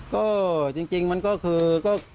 ก็จริงมันก็คือ